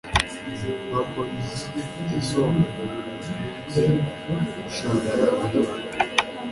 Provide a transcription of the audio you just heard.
Wagons yasohokaga buri munsi gushaka ibiryo.